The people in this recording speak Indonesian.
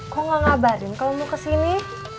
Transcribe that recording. kok gak ngabarin kalau mau kesini